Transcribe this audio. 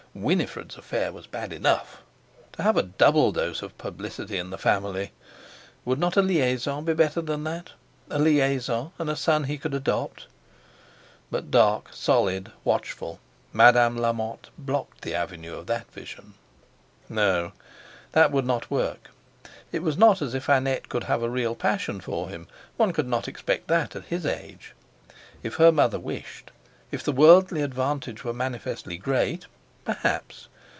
Winifred's affair was bad enough! To have a double dose of publicity in the family! Would not a liaison be better than that—a liaison, and a son he could adopt? But dark, solid, watchful, Madame Lamotte blocked the avenue of that vision. No! that would not work. It was not as if Annette could have a real passion for him; one could not expect that at his age. If her mother wished, if the worldly advantage were manifestly great—perhaps!